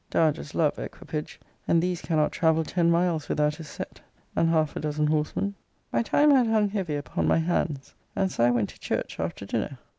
Dowagers love equipage; and these cannot travel ten miles without a sett, and half a dozen horsemen. My time had hung heavy upon my hands; and so I went to church after dinner.